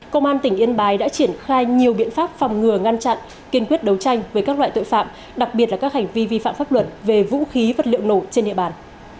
công an tỉnh yên bái đã triển khai nhiều biện pháp phòng ngừa ngăn chặn kiên quyết đấu tranh với các loại tội phạm đặc biệt là các hành vi vi phạm pháp luật về vũ khí vật liệu nổ trên địa bàn